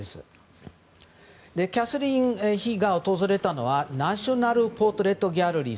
キャサリン妃が訪れたのはナショナル・ポートレート・ギャラリー。